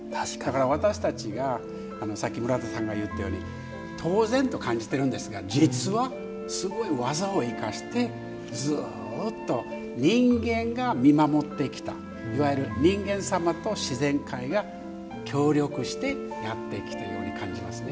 私たちが、さっき村田さんが言ったように当然と感じているんですが実は、すごい技を生かしてずっと人間が見守ってきたいわゆる人間様と自然界が協力してやってきたように感じますね。